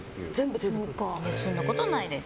そんなことないです